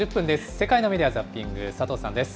世界のメディア・ザッピング、佐藤さんです。